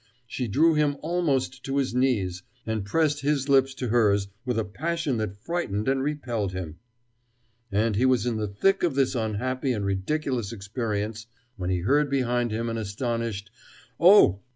She drew him almost to his knees, and pressed his lips to hers with a passion that frightened and repelled him. And he was in the thick of this unhappy and ridiculous experience when he heard behind him an astonished "Oh!"